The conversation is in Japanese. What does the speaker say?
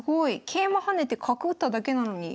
桂馬跳ねて角打っただけなのに。